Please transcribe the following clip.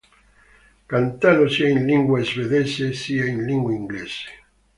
Cantano sia in lingua svedese, sia in lingua inglese.